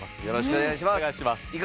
よろしくお願いします。